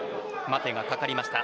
待てがかかりました。